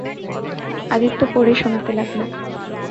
আদিত্য পড়ে শোনাতে লাগল।